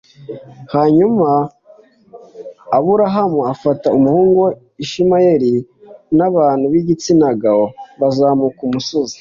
hanyuma aburahamu afata umuhungu we ishimayeli n abantu b igitsina gabo bazamuka umusozi